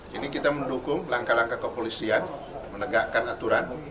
jadi kita mendukung langkah langkah kepolisian menegakkan aturan